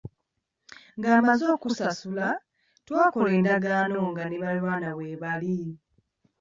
Nga mmaze okusasula, twakola endagaano nga ne baliraanwa weebali.